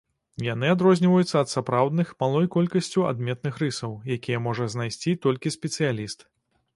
Яны адрозніваюцца ад сапраўдных малой колькасцю адметных рысаў, якія можа знайсці толькі спецыяліст.